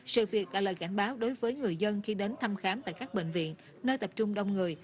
sự việc là lời cảnh báo đối với người dân khi đến thăm khám tại các bệnh viện nơi tập trung đông người